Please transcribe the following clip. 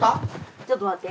ちょっと待って。